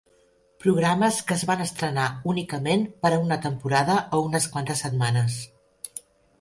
Programes que es van estrenar únicament per a una temporada o unes quantes setmanes.